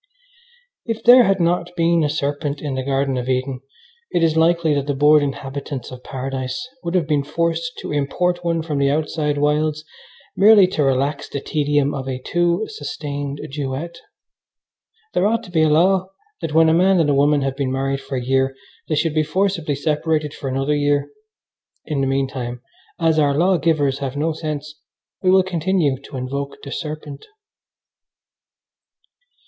If there had not been a serpent in the Garden of Eden it is likely that the bored inhabitants of Paradise would have been forced to import one from the outside wilds merely to relax the tedium of a too sustained duet. There ought to be a law that when a man and a woman have been married for a year they should be forcibly separated for another year. In the meantime, as our law givers have no sense, we will continue to invoke the serpent.